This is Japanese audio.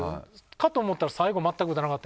かと思ったら最後全く打たなかった。